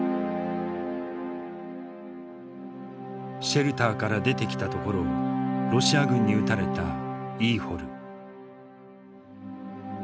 シェルターから出てきたところをロシア軍に撃たれたイーホル。